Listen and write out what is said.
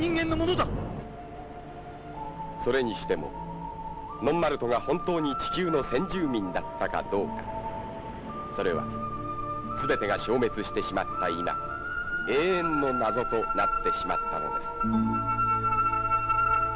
それにしてもノンマルトが本当に地球の先住民だったかどうかそれは全てが消滅してしまった今永遠の謎となってしまったのです